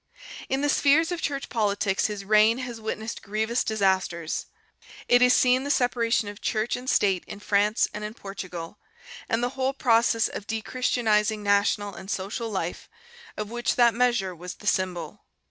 In the spheres of church politics his reign has witnessed grievous disasters. It has seen the separation of church and state in France and in Portugal, and the whole process of 'dechristianizing' national and social life, of which that measure was the symbol.